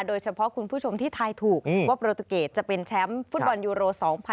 โดยเฉพาะคุณผู้ชมที่ทายถูกว่าโปรตูเกตจะเป็นแชมป์ฟุตบอลยูโร๒๐๑๖